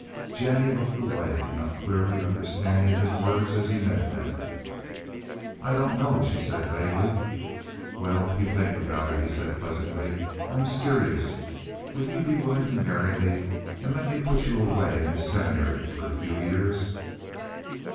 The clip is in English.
Jennie looked away, not clearly understanding his words as he meant them. "I don't know," she said vaguely. "Well, you think about it," he said pleasantly. "I'm serious. Would you be willing to marry me, and let me put you away in a seminary for a few years?"